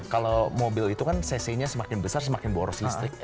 kalau mobil itu kan cc nya semakin besar semakin boros listrik